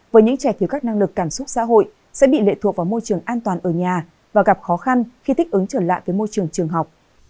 với những trẻ thiếu các năng lực cảm xúc xã hội sẽ bị lệ thuộc vào môi trường an toàn ở nhà và gặp khó khăn khi thích ứng trở lại với môi trường trường học